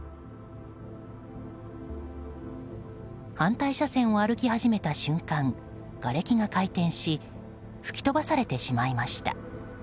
反対車線を歩き始めた瞬間がれきが回転し吹き飛ばされてしまいました。